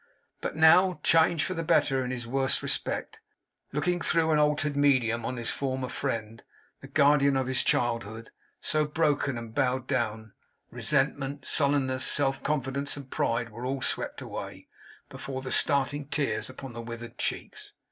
But now, changed for the better in his worst respect; looking through an altered medium on his former friend, the guardian of his childhood, so broken and bowed down; resentment, sullenness, self confidence, and pride, were all swept away, before the starting tears upon the withered cheeks.